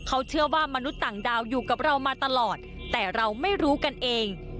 เขาเชื่อว่ามนุษย์ต่างดาวอยู่กับเรามาตลอดแต่เราไม่รู้กันเอง